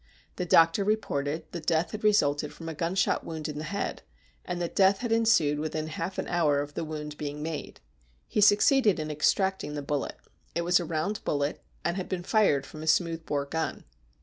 The doctor reported that death had re sulted from a gunshot wound in the head, and that death had ensued within half an hour of the wound being made. He succeeded in extracting the bullet. It was a round bullet, and had been fired from a smooth bore gun.